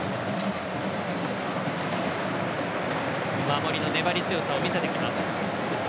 守りの粘り強さを見せてきます。